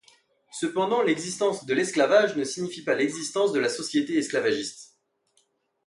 Cependant, l'existence de l'esclavage ne signifie pas l'existence de la société esclavagiste.